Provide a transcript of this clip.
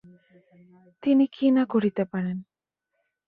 তিনি কী না করিতে পারেন?